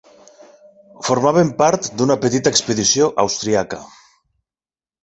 Formaven part d'una petita expedició austríaca.